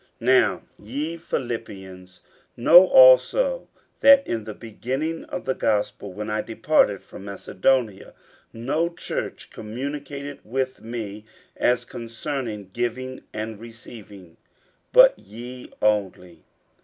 50:004:015 Now ye Philippians know also, that in the beginning of the gospel, when I departed from Macedonia, no church communicated with me as concerning giving and receiving, but ye only.